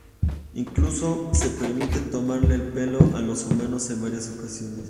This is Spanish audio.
Incluso se permite tomarle el pelo a los humanos en varias ocasiones.